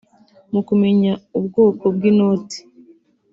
mu kumenya ubwoko bw’inoti